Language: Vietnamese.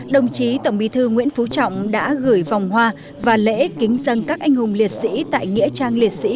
đồng chí tổng bí thư nguyễn phú trọng đã gửi vòng hoa và lễ kính dân các anh hùng liệt sĩ